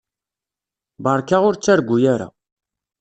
Beṛka ur ttargu ara.